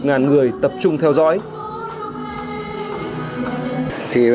ngàn người tập trung theo dõi